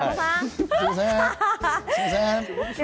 すみません。